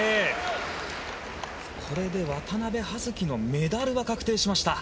これで渡部葉月のメダルが確定しました。